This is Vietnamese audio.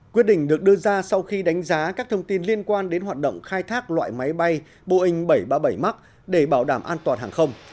quyết định được đưa ra sau khi đánh giá các thông tin liên quan đến hoạt động khai thác loại máy bay boeing bảy trăm ba mươi bảy max để bảo đảm an toàn hàng không